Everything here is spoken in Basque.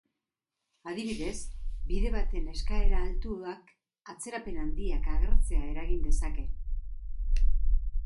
Adibidez, bide baten eskaera altuak atzerapen handiak agertzea eragin dezake.